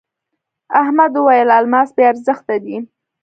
احمد وويل: الماس بې ارزښته دی.